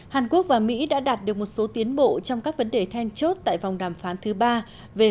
hàn quốc và mỹ đã đạt được một số tiến bộ trong các vấn đề then chốt tại vòng đàm phán thứ ba về